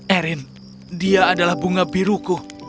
erin dia adalah bunga biruku